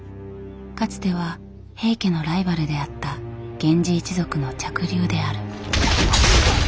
かつては平家のライバルであった源氏一族の嫡流である。